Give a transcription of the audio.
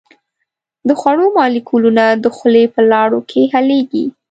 د خوړو مالیکولونه د خولې په لاړو کې حلیږي.